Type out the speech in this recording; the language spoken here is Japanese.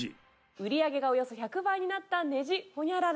売り上げがおよそ１００倍になったネジホニャララ。